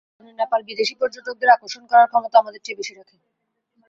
কতিপয় কারণে নেপাল বিদেশি পর্যটকদের আকর্ষণ করার ক্ষমতা আমাদের চেয়ে বেশি রাখে।